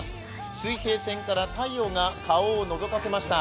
水平線から太陽が顔をのぞかせました。